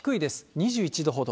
２１度ほど。